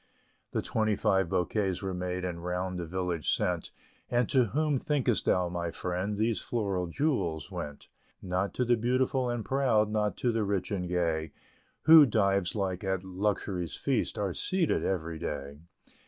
The twenty five bouquets were made, And round the village sent; And to whom thinkest thou, my friend, These floral jewels went? Not to the beautiful and proud Not to the rich and gay Who, Dives like, at Luxury's feast Are seated every day.